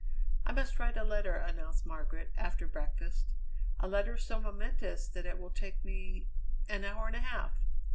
"I must write a letter," announced Margaret after breakfast, "a letter so momentous that it will take me an hour and a half!